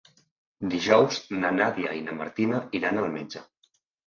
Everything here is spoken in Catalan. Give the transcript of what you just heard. Dijous na Nàdia i na Martina iran al metge.